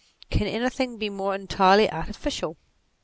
Can anything be more entirely artificial